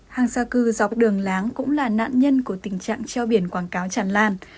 hàng xa cư dọc đường láng cũng là nạn nhân của tình trạng treo biển quảng cáo chẳng làn